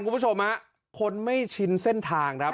คุณผู้ชมคนไม่ชินเส้นทาง